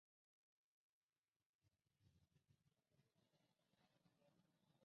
Las batallas pueden constar de hasta cuatro personajes humanos o del ordenador.